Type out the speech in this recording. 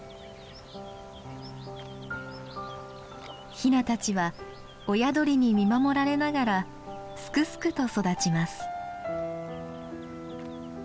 ひなたちは親鳥に見守られながらすくすくと育ちます。